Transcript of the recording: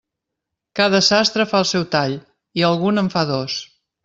Cada sastre fa el seu tall, i algun en fa dos.